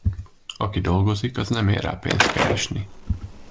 Aki dolgozik, az nem ér rá pénzt keresni.